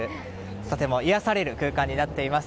とても癒やされる空間になっています。